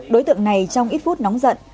đối tượng này trong ít phút nóng giận